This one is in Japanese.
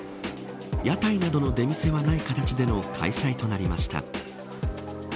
屋台などの出店はない形での開催となりました。